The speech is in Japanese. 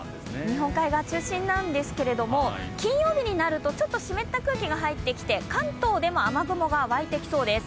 日本海側中心なんですけど金曜日になると湿った空気が入ってきて関東でも雨雲が湧いてきそうです。